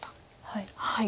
はい。